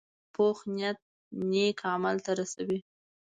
پوخ نیت نیک عمل ته رسوي